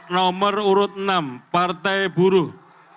nomor urut enam partai buruh